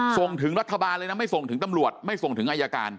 ส่งถึงรัฐบาลเลยนะไม่ส่งถึงตำรวจไม่ส่งถึงอายการ